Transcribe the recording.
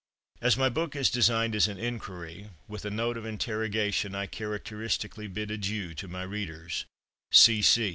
As my book is designed as an inquiry, with a note of interrogation I characteristically bid adieu to my readers.